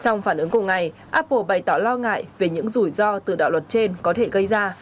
trong phản ứng cùng ngày apple bày tỏ lo ngại về những rủi ro từ đạo luật trên có thể gây ra